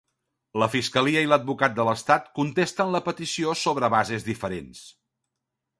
La fiscalia i l'advocat de l'Estat contesten la petició sobre bases diferents.